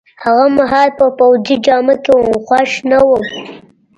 هغه مهال په پوځي جامه کي وم، خوښ نه وم.